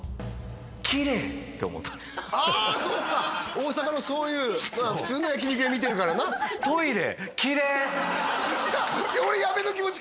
大阪のそういう普通の焼き肉屋見てるからな俺矢部の気持ち